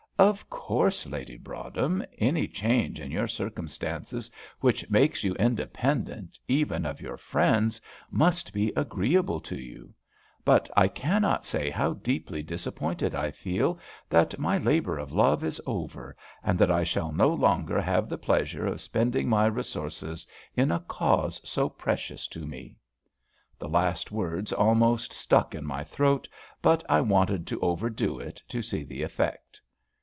"Of course, Lady Broadhem, any change in your circumstances which makes you independent, even of your friends, must be agreeable to you; but I cannot say how deeply disappointed I feel that my labour of love is over, and that I shall no longer have the pleasure of spending my resources in a cause so precious to me." The last words almost stuck in my throat; but I wanted to overdo it, to see the effect.